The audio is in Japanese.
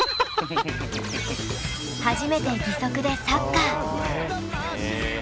初めて義足でサッカー。